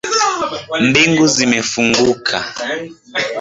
Mbingu zimefunguka